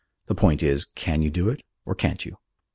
The point is, can you do it, or can't you?"